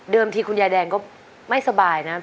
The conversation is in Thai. ทีคุณยายแดงก็ไม่สบายนะ